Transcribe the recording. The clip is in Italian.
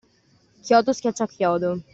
Chiodo scaccia chiodo.